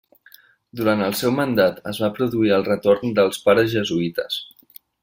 Durant el seu mandat es va produir el retorn dels Pares Jesuïtes.